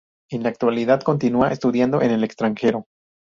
En la actualidad continúa estudiando en el extranjero.